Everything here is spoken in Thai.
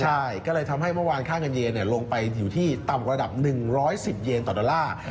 ใช่ก็เลยทำให้เมื่อวานค่าเงินเยนลงไปอยู่ที่ต่ำระดับ๑๑๐เยนต่อดอลลาร์